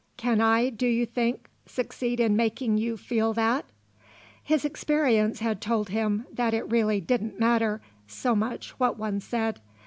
Can I, do you think, succeed in making you feel that?" His experience had told him that it really didn't matter so much what one said.